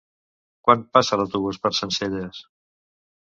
Quan passa l'autobús per Sencelles?